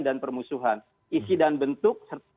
dan permusuhan isi dan bentuk